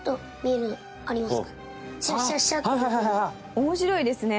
面白いですね。